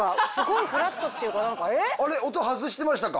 音外してましたか。